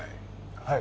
はい。